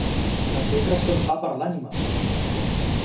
Les lletres són pa per a l'ànima!